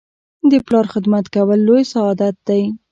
د پلار خدمت کول لوی سعادت دی.